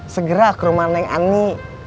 segera ke rumah neng ani